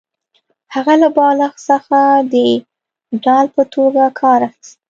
هغه له بالښت څخه د ډال په توګه کار اخیست